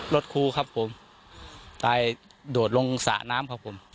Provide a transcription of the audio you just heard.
ครูครับผมตายโดดลงสระน้ำครับผม